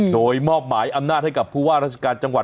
โดยมอบหมายอำนาจให้กับผู้ว่าราชการจังหวัด